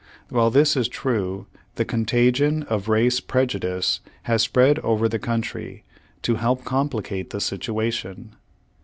While this is true, the contagion of race prejudice, has spread over the country, to help complicate the situation.